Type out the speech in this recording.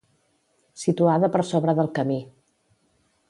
Situada per sobre del camí.